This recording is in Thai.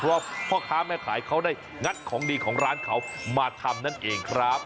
เพราะว่าพ่อค้าแม่ขายเขาได้งัดของดีของร้านเขามาทำนั่นเองครับ